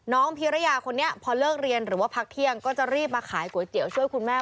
พิรยาคนนี้พอเลิกเรียนหรือว่าพักเที่ยงก็จะรีบมาขายก๋วยเตี๋ยวช่วยคุณแม่